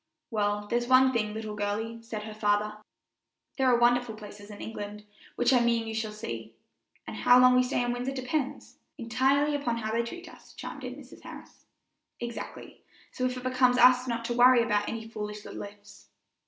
"Well, there's one thing, little girlie," said her father; "there are wonderful places in England, which I mean you shall see; and how long we stay in Windsor depends " "Entirely upon how they treat us," chimed in Mrs. Harris. "Exactly; so it becomes us not to worry about any foolish little ifs."